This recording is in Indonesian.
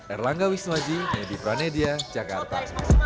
erlangga wiswaji medipranedia jakarta